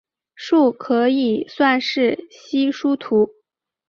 树可以算是稀疏图。